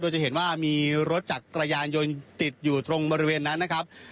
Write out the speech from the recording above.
จะเห็นว่ามีรถจักรยานยนต์ติดอยู่ตรงบริเวณนั้นนะครับ